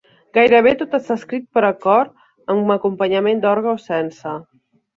Gairebé tot està escrit per a cor amb acompanyament d'orgue o sense.